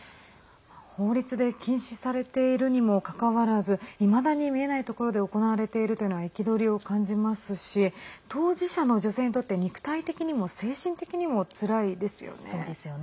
法律で禁止されているにもかかわらずいまだに見えないところで行われているというのは憤りを感じますし当事者の女性にとって肉体的にも精神的にもつらいですよね。